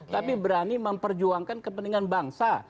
tapi berani memperjuangkan kepentingan bangsa